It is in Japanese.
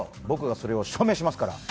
僕がそれを証明しますから！